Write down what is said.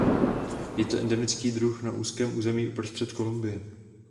Je to endemický druh na úzkém území uprostřed Kolumbie.